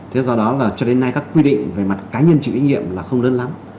thế do đó là cho đến nay các quy định về mặt cá nhân chịu trách nhiệm là không lớn lắm